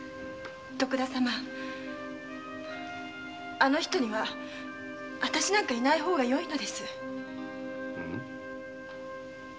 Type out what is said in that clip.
あの人には私なんかいない方がよいのです。